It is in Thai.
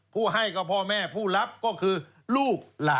ผู้ให้ก็พ่อแม่ผู้รับก็คือลูกหลาน